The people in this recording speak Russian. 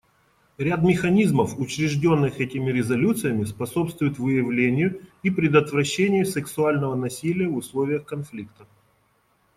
Ряд механизмов, учрежденных этими резолюциями, способствует выявлению и предотвращению сексуального насилия в условиях конфликта.